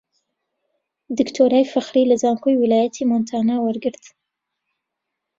دکتۆرای فەخری لە زانکۆی ویلایەتی مۆنتانا وەرگرت